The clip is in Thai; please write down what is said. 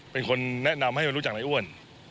เป็นคนแนะนำให้รู้จักในอ้วน